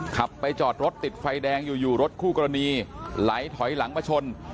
ขับไปจอดรถติดไฟแดงอยู่รถคู่กรณีไหลถอยหลังมาชน